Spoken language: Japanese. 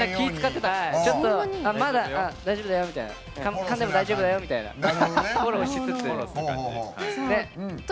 大丈夫だよみたいなかんでも大丈夫だよみたいなフォローしつつ。